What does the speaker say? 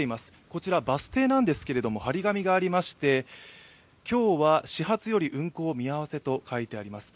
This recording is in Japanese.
こちらバス停なんですけど貼り紙がありまして、今日は始発より運行見合せと書いてあります。